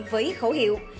với khẩu hiệu